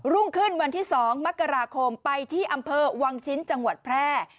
รุ่งขึ้นวันที่๒มกราคมไปที่อำเภอวังชิ้นจังหวัดแพร่